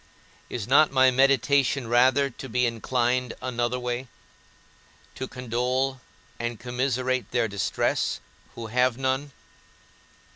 Is not my meditation rather to be inclined another way, to condole and commiserate their distress who have none?